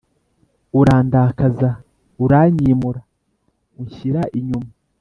urandakaza uranyimūra, unshyira inyuma